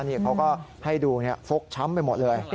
นี่เขาก็ให้ดูฟกช้ำไปหมดเลย